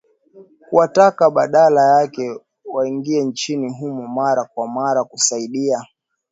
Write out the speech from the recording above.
kuwataka badala yake waingie nchini humo mara kwa mara kusaidia